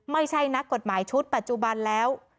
ไม่ใช่นักกฎหมายชุดปัจจุบันแล้ว